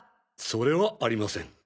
それはありません。